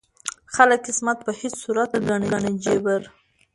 خپل قسمت په هیڅ صورت نه ګڼي جبر